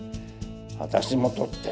私も撮って！